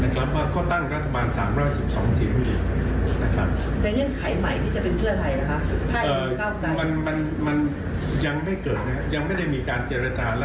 ขอเสียงประชานิปัตย์ให้ไปร่วมรัฐบาทในการรัฐบาท